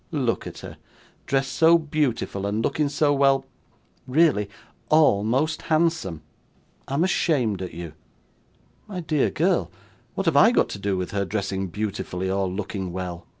'Look at her, dressed so beautiful and looking so well really ALMOST handsome. I am ashamed at you.' 'My dear girl, what have I got to do with her dressing beautifully or looking well?